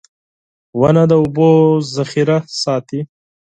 • ونه د اوبو ذخېره ساتي.